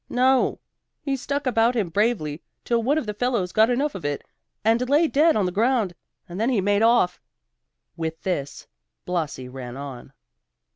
"No; he struck about him bravely, till one of the fellows got enough of it, and lay dead on the ground; and then he made off." With this Blasi ran on.